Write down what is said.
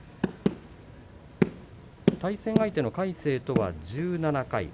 対戦相手の魁聖とは１７回。